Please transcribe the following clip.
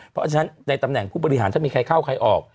เพราะฉะนั้นในตำแหน่งผู้บริหารถ้ามีใครเข้าใครออก